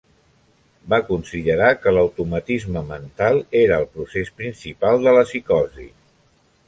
Va considerar que l'automatisme mental era el procés principal de la psicosi.